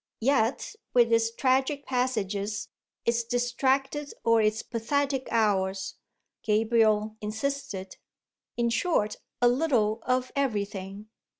Yet with its tragic passages, its distracted or its pathetic hours," Gabriel insisted. "In short, a little of everything."